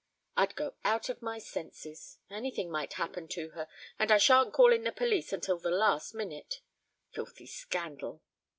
I'd go out of my senses. Anything might happen to her, and I shan't call in the police until the last minute. Filthy scandal."